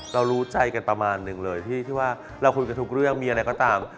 รู้ใจกันประมาณหนึ่งเลยที่ว่าเราคุยกันทุกเรื่องมีอะไรก็ตาม